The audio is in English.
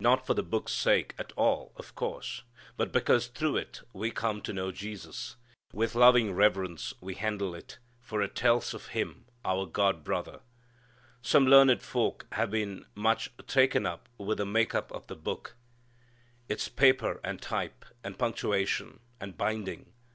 Not for the Book's sake, at all, of course, but because through it we come to know Jesus. With loving reverence we handle it, for it tells of Him, our God brother. Some learned folk have been much taken up with the make up of the Book, its paper and type, and punctuation, and binding.